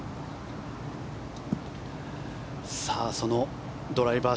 そのドライバー